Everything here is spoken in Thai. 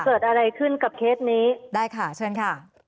เกิดอะไรขึ้นกับเคสนี้ได้ค่ะเชิญค่ะ